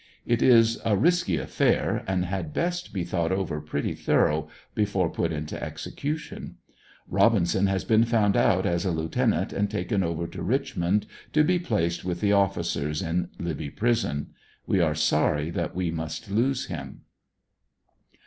It is a risky affair, and had best be thought over pretty thorough before put into execution. Robinson has been found out as a lieutenant, and taken over to Richmond to be placed with the 28 ANDERSONVILLE DIARY. officers in Libby Prison. We are sorry that we must lose liim.